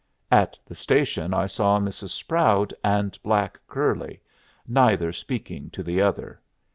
At the station I saw Mrs. Sproud and black curly, neither speaking to the other.